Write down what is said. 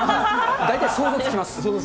大体想像つきます。